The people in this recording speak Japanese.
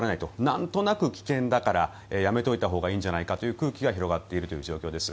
なんとなく危険だからやめておいたほうがいいんじゃないかということが広がっているという状況です。